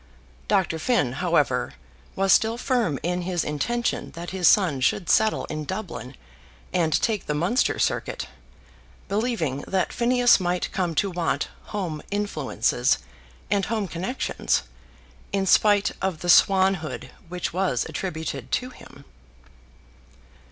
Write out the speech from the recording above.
Dr. Finn, however, was still firm in his intention that his son should settle in Dublin, and take the Munster Circuit, believing that Phineas might come to want home influences and home connections, in spite of the swanhood which was attributed to him.